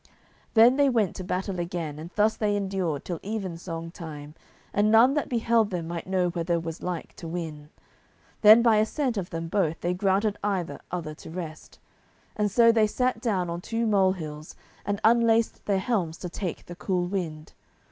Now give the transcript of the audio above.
Then they went to battle again, and thus they endured till even song time, and none that beheld them might know whether was like to win. Then by assent of them both they granted either other to rest; and so they sat down on two molehills, and unlaced their helms to take the cool wind.